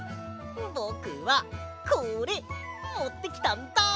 ぼくはこれもってきたんだ！